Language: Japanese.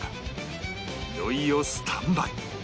いよいよスタンバイ